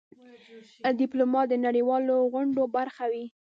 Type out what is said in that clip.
ډيپلومات د نړېوالو غونډو برخه وي.